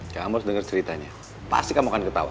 kamu harus dengar ceritanya pasti kamu akan ketawa